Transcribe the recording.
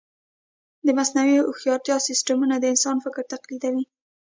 د مصنوعي هوښیارۍ سیسټمونه د انسان فکر تقلیدوي.